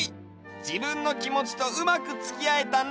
じぶんのきもちとうまくつきあえたね！